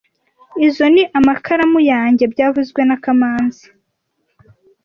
Izo ni amakaramu yanjye byavuzwe na kamanzi